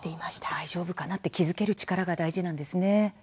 大丈夫かなと気付ける力が大事なんですね。